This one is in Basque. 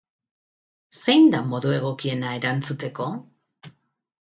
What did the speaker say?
Zein da modu egokiena erantzuteko?